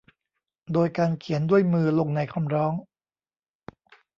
โดยการเขียนด้วยมือลงในคำร้อง